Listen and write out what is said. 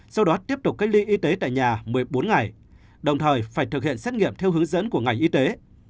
sau đó tiếp tục cách ly y tế tại nhà một mươi bốn ngày đồng thời phải thực hiện xét nghiệm theo hướng dẫn của ngành y tế